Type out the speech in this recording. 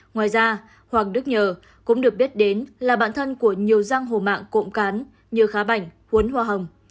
ngoài ra hoàng đức nhờ cũng được biết đến là bạn thân của nhiều giang hổ mạng cộng cán như khá bảnh cuốn hoa hồng